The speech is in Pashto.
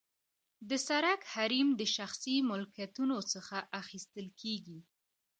د سرک حریم د شخصي ملکیتونو څخه اخیستل کیږي